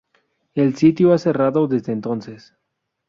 El sitio ha cerrado desde entonces.